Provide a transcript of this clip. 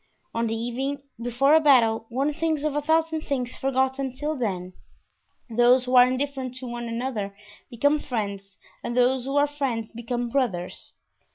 On the evening before a battle one thinks of a thousand things forgotten till then; those who are indifferent to one another become friends and those who are friends become brothers.